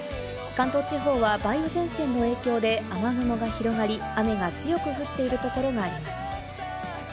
関東地方は梅雨前線の影響で雨雲が広がり、雨が強く降っているところがあります。